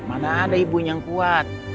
mana ada ibunya yang kuat